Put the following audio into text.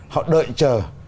họ đợi chờ